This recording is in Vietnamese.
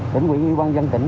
tỉnh nguyễn yên quang dân tỉnh